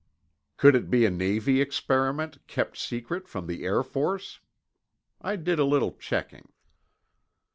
Could it be a Navy experiment, kept secret from the Air Force? I did a little checking.